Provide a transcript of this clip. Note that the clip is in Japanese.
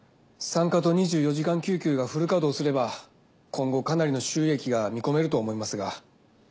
産科と２４時間救急がフル稼働すれば今後かなりの収益が見込めると思いますが。